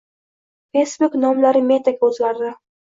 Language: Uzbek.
Facebook nomlari Metaga o'zgarding